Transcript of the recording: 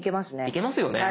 いけますよね。